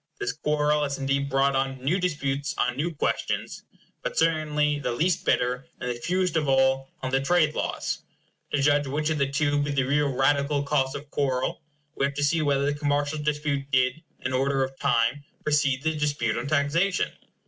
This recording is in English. This quarrel has indeed brought on new disputes on new questions; but certainly the least bitter, and the fewest of all, on the trade laws. To judge which of the two be the real radical cause of quarrel, we have to see whether the commercial dispute did, in order of time, precede the dispute on taxation?